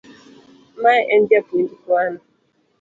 Ma en japuonj Kwano.